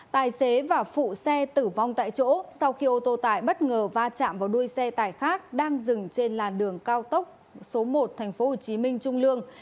tài xế và phụ xe tử vong tại chỗ sau khi ô tô tải bất ngờ va chạm vào đuôi xe tải khác đang dừng trên làn đường cao tốc số một tp hcm trung lương